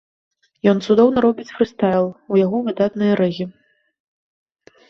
Ён цудоўна робіць фрыстайл, у яго выдатнае рэгі.